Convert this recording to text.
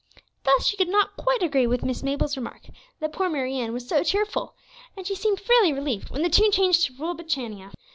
Thus she could not quite agree with Miss Mabel's remark, that "Poor Mary Ann" was so cheerful, and she seemed rather relieved when the tune changed to "Rule Britannia."